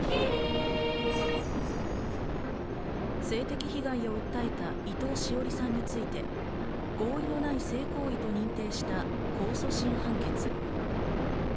性的被害を訴えた伊藤詩織さんについて、合意のない性行為と認定した控訴審判決。